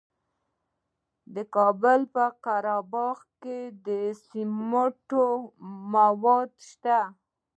د کابل په قره باغ کې د سمنټو مواد شته.